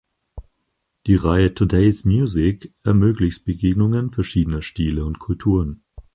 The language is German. Die Reihe "Today’s Music" ermöglicht Begegnungen verschiedener Stile und Kulturen.